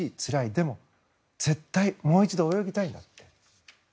でも絶対もう一度泳ぎたいんだと。